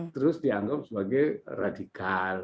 terus dianggap sebagai radikal